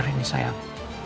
terima kasih sayang